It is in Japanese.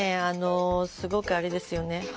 あのすごくあれですよね